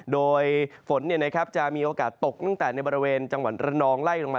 โดยฝนจะมีโอกาสตกตั้งแต่ในบริเวณจังหวัดระนองไล่ลงมา